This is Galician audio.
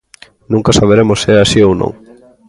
Nunca saberemos se é así ou non.